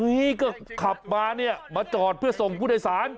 ก็ขับมาเนี่ยมาจอดเพื่อส่งผู้โดยสาร